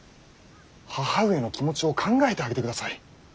義母上の気持ちを考えてあげてください。